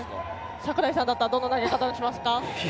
櫻井さんだったらどの投げ方をしますか？